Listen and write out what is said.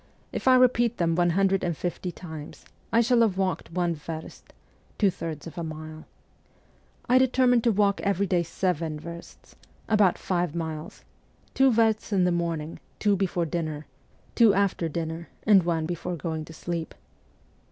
If I repeat them one hundred and fifty times, I shall have walked one verst ' (two thirds of a mile). I determined to walk every day seven versts about five miles : two versts in the morning, two before dinner, two after dinner, and one before going to sleep.